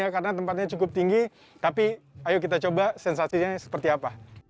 karena tempatnya cukup tinggi tapi ayo kita coba sensasinya seperti apa